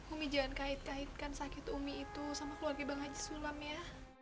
umi jangan kait kaitkan sakit umi itu sama keluarga bang haji sulam ya